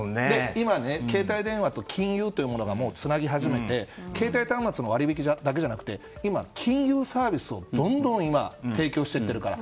今、携帯電話と金融というものがつなぎ始めて携帯端末の割引だけじゃなくて今、金融サービスをどんどん提供してるから。